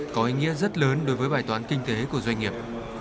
có ý nghĩa rất lớn đối với bài toán kinh tế của doanh nghiệp